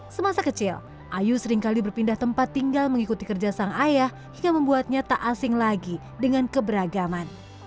semasa kecil ayu seringkali berpindah tempat tinggal mengikuti kerja sang ayah hingga membuatnya tak asing lagi dengan keberagaman